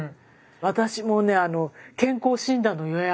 私もね健康診断の予約。